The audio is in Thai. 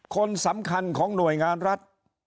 คนสำคัญของหน่วยงานรัฐ